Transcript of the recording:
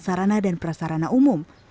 sarana dan prasarana umum